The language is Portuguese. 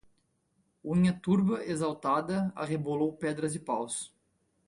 Unha turba exaltada arrebolou pedras e paus.